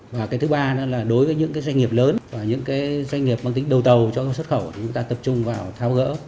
và cái thứ ba nữa là đối với những cái doanh nghiệp lớn và những cái doanh nghiệp mang tính đầu tàu cho xuất khẩu thì chúng ta tập trung vào thao gỡ